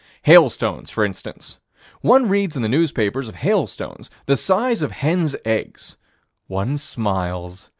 Hailstones, for instance. One reads in the newspapers of hailstones the size of hens' eggs. One smiles.